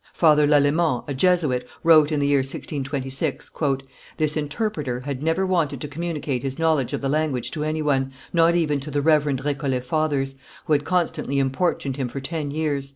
Father Lalemant, a Jesuit, wrote in the year 1626: "This interpreter had never wanted to communicate his knowledge of the language to any one, not even to the Reverend Récollet Fathers, who had constantly importuned him for ten years."